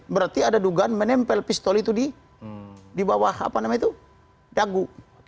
berarti ada dugaan menempel pistol itu di bawah dagu